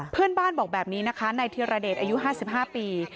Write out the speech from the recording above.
เพื่อนบ้านบอกแบบนี้นะคะในทีระเดชอายุห้าสิบห้าปี